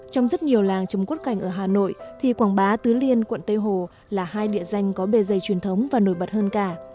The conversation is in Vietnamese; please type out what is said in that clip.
trong rất nhiều làng trồng quất cảnh ở hà nội thì quảng bá tứ liên quận tây hồ là hai địa danh có bề dày truyền thống và nổi bật hơn cả